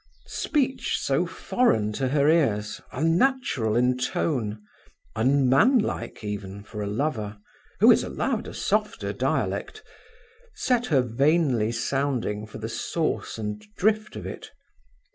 Speech so foreign to her ears, unnatural in tone, unmanlike even for a lover (who is allowed a softer dialect), set her vainly sounding for the source and drift of it.